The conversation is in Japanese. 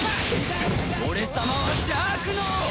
俺様は邪悪の王！